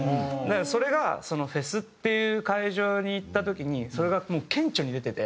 それがフェスっていう会場に行った時にそれがもう顕著に出てて。